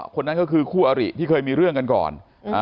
คนนั้นก็คือคู่อริที่เคยมีเรื่องกันก่อน